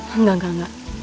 enggak enggak enggak